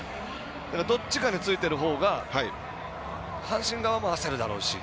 どっちかについているほうが阪神側も焦るだろうし。